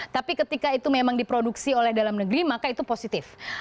tapi ketika itu memang diproduksi oleh dalam negeri maka itu positif